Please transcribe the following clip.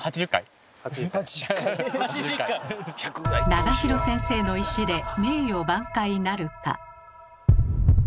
永弘先生の石で名誉挽回なるか？